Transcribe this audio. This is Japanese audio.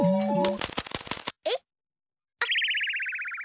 えっ？あっ！